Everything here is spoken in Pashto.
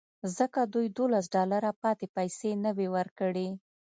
ځکه دوی دولس ډالره پاتې پیسې نه وې ورکړې